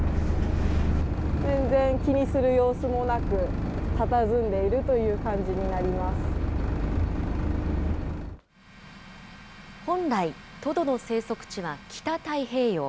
全然気にする様子もなく、たたずんでいるという感じになりま本来、トドの生息地は北太平洋。